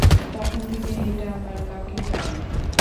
তখন থেকেই এটা আমার লাকি চার্ম।